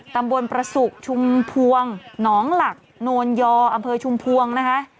ตำบลประสุกชุมพวงหนองหลักโนนยออำเภอชุมพวงนะคะ